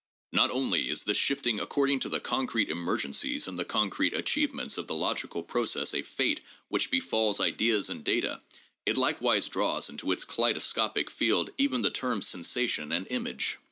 Not only is this shifting according to the concrete emergencies and the concrete achievements of the logical process a fate which befalls ideas and data, it likewise draws into its kaleidoscopic field even the terms sensation and image.